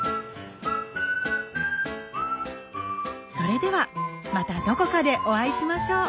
それではまたどこかでお会いしましょう